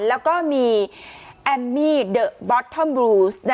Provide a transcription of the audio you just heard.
แล้วก็มีแอมมี่เดอะบอสธอมบลูส